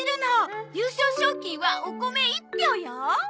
優勝賞金はお米一俵よ！